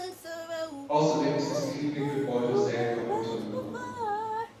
Außerdem ist das Klinikgebäude sehr heruntergekommen.